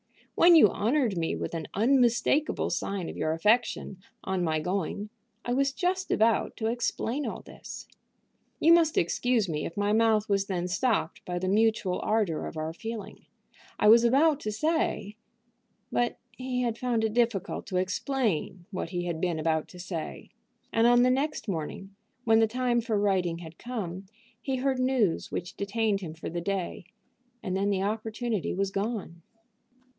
When you honored me with an unmistakable sign of your affection, on my going, I was just about to explain all this. You must excuse me if my mouth was then stopped by the mutual ardor of our feeling. I was about to say " But he had found it difficult to explain what he had been about to say, and on the next morning, when the time for writing had come, he heard news which detained him for the day, and then the opportunity was gone.